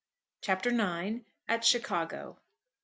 CHAPTER IX. AT CHICAGO.